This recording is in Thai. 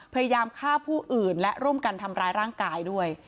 พยายามฆ่าผู้อื่นและร่วมกันทำร้ายร่างกายด้วย